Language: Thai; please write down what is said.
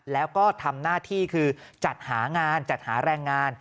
แล้วก็ทำหน้าที่คือจัดหางานจัดหาแรงงาน